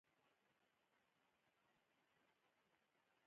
د ما بندګانو فیض منظر ته راغی.